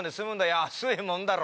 安いもんだろ？